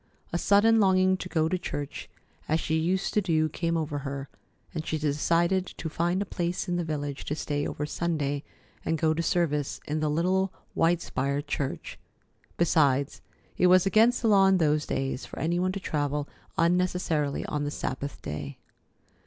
A sudden longing to go to church as she used to do came over her, and she decided to find a place in the village to stay over Sunday and go to service in the little white spired church. Besides, it was against the law in those days for any one to travel unnecessarily on the Sabbath day.